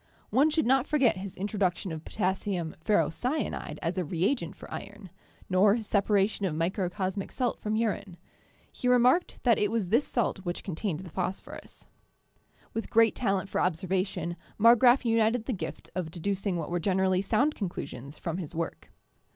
One should not forget his introduction of potassium ferrocyanide as a reagent for iron, nor his separation of microcosmic salt from urine; he remarked that it was this salt which contained the phosphorus. With great talent for observation Marggraf united the gift of deducing what were generally sound conclusions from his work.